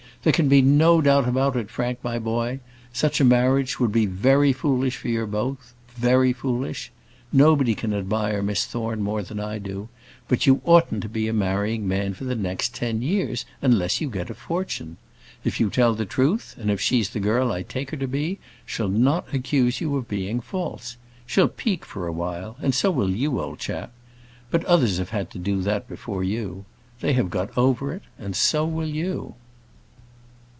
There can be no doubt about it, Frank, my boy: such a marriage would be very foolish for you both; very foolish. Nobody can admire Miss Thorne more than I do; but you oughtn't to be a marrying man for the next ten years, unless you get a fortune. If you tell her the truth, and if she's the girl I take her to be, she'll not accuse you of being false. She'll peak for a while; and so will you, old chap. But others have had to do that before you. They have got over it, and so will you."